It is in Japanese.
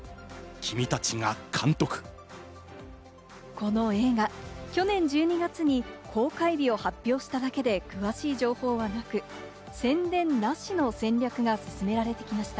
この映画、去年１２月に公開日を発表しただけで、詳しい情報はなく、宣伝なしの戦略が進められてきました。